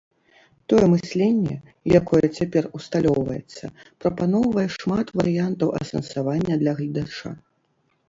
Тое мысленне, якое цяпер усталёўваецца, прапаноўвае шмат варыянтаў асэнсавання для гледача.